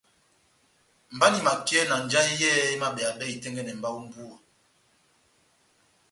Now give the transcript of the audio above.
Mba nahimakiyɛ na njahɛ yɛ́hɛpi emabeyabɛ itɛ́ngɛ́nɛ mba ó mbu